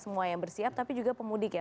semua yang bersiap tapi juga pemudik ya